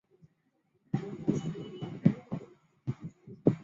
登上了包括纽约时报儿童畅销书在内的许多畅销书榜。